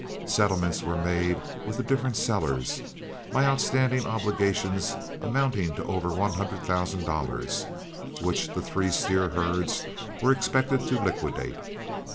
Settlements were made with the different sellers, my outstanding obligations amounting to over one hundred thousand dollars, which the three steer herds were expected to liquidate.